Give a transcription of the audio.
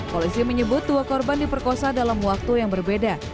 polisi menyebut dua korban diperkosa dalam waktu yang berbeda